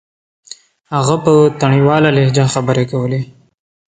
هغه په تڼيواله لهجه خبرې کولې.